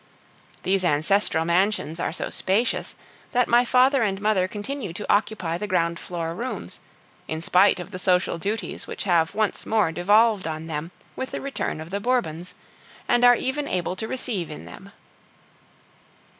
These ancestral mansions are so spacious, that my father and mother continue to occupy the ground floor rooms, in spite of the social duties which have once more devolved on them with the return of the Bourbons, and are even able to receive in them.